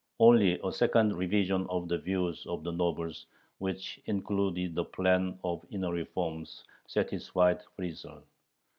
Only a second revision of the views of the nobles, which included the plan of inner reforms, satisfied Friesel.